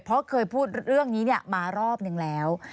เพราะเคยพูดเรื่องนี้มารอบนึงแล้ว